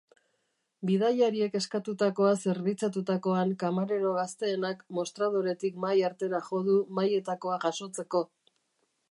Bidaiariek eskatutakoa zerbitzatutakoan kamarero gazteenak mostradoretik mahai artera jo du mahaietakoa jasotzeko.